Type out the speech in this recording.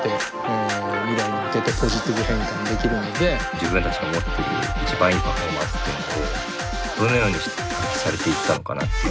自分たちが持ってる一番いいパフォーマンスっていうのをどのようにして発揮されていったのかなっていう。